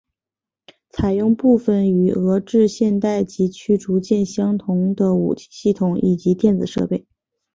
采用部分与俄制现代级驱逐舰相同的武器系统以及电子设备。